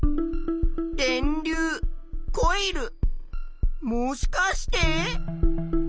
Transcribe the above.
電流コイルもしかして？